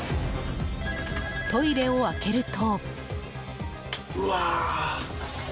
トイレを開けると。